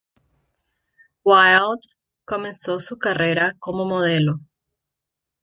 Wilde comenzó su carrera como modelo.